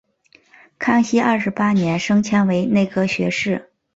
康熙二十八年升迁为内阁学士。